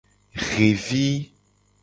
Xevi.